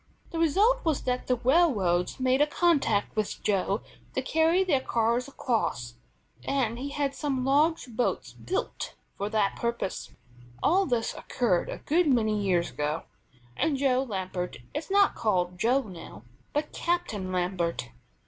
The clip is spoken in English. The result was that the railroads made a contract with Joe to carry their cars across, and he had some large boats built for that purpose. All this occurred a good many years ago, and Joe Lambert is not called Joe now, but Captain Lambert.